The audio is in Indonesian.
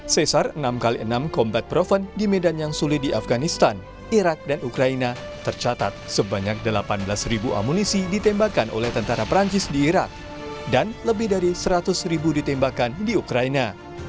sesar enam x enam combat proven di medan yang sulit di afganistan irak dan ukraina tercatat sebanyak delapan belas amunisi ditembakkan oleh tentara perancis di irak dan lebih dari seratus ribu ditembakkan di ukraina